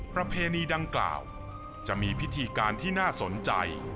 ประเพณีดังกล่าวจะมีพิธีการที่น่าสนใจ